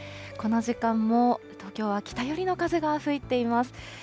この時間も東京は北寄りの風が吹いています。